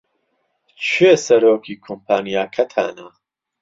کێ سەرۆکی کۆمپانیاکەتانە؟